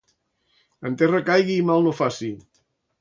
En terra caiga i mal no faça.